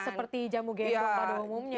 seperti jamu genung pada umumnya ya